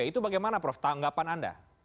itu bagaimana prof tanggapan anda